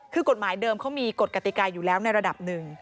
คือกฎหมายเดิมเขามีกฎกติกาอยู่แล้วในระดับหนึ่ง